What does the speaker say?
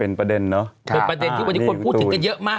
เป็นประเด็นที่บางอย่างคนค่อยพูดถึงกันเยอะมาก